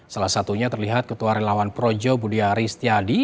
salah satunya terlihat ketua relawan projo budi aristiadi